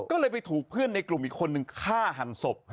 ก็เลยไปถูกเพื่อนในกลุ่มอีกคนนึงฆ่าหันศพ